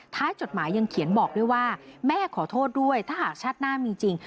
จดหมายยังเขียนบอกด้วยว่าแม่ขอโทษด้วยถ้าหากชาติหน้ามีจริง